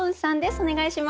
お願いします。